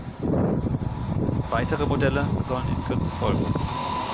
Weitere Modelle sollen in Kürze folgen.